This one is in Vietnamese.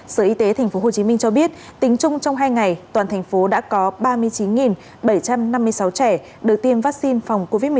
sở y tế tp hcm cho biết tính chung trong hai ngày toàn thành phố đã có ba mươi chín bảy trăm năm mươi sáu trẻ được tiêm vaccine phòng covid một mươi chín